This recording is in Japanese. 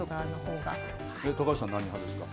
高橋さん、何派ですか？